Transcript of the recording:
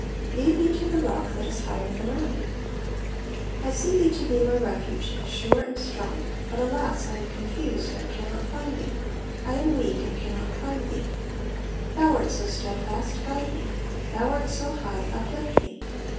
*'^Lead me to tlie rock that is higher than /. I see thee to be my refuge, sure and strong ; but alas ! I am confused, and cannot find thee ; I am weak, and can not climb thee. Thou art so steadfast, guide me ; thou art so high, uplift me.